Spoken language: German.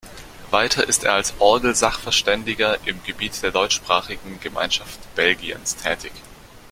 Weiter ist er als Orgelsachverständiger im Gebiet der deutschsprachigen Gemeinschaft Belgiens tätig.